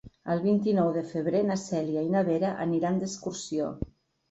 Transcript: El vint-i-nou de febrer na Cèlia i na Vera aniran d'excursió.